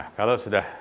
bisa dapat tahu lagi